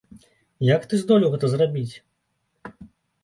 Як ты здолеў гэта зрабіць????